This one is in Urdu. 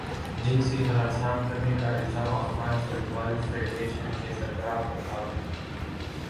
جنسی ہراساں کرنے کا الزام افغان فٹبال فیڈریشن کے سربراہ پر پابندی